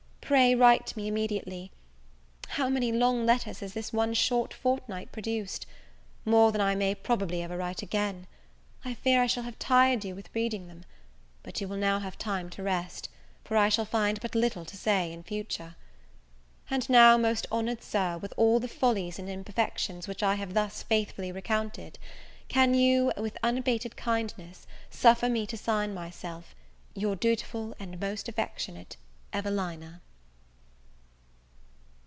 Pray write to me immediately. How many long letters has this one short fortnight produced! More than I may probably ever write again. I fear I shall have tired you with reading them; but you will now have time to rest, for I shall find but little to say in future. And now, most honoured Sir, with all the follies and imperfections which I have thus faithfully recounted, can you, and with unabated kindness, suffer me to sign myself Your dutiful and most affectionate EVELINA?